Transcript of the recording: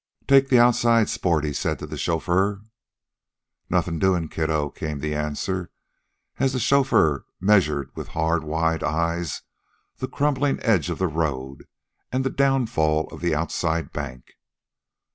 "Take the outside, sport," he said to the chauffeur. "Nothin' doin', kiddo," came the answer, as the chauffeur measured with hard, wise eyes the crumbling edge of the road and the downfall of the outside bank.